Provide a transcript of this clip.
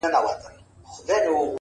o افسوس كوتر نه دى چي څوك يې پـټ كړي ـ